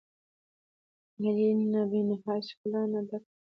هیلۍ له بېنهایت ښکلا نه ډکه ده